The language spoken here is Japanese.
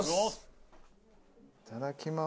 いただきます。